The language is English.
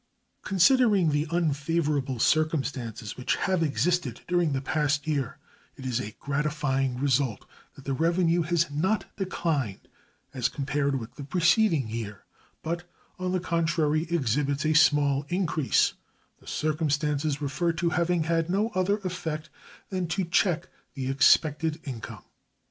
Considering the unfavorable circumstances which have existed during the past year, it is a gratifying result that the revenue has not declined as compared with the preceding year, but, on the contrary, exhibits a small increase, the circumstances referred to having had no other effect than to check the expected income.